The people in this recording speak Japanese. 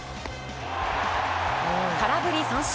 空振り三振。